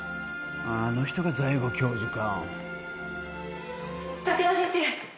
あああの人が財後教授か。